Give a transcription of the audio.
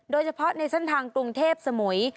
โดยเฉพาะในเส้นทางกรุงเทพสมุย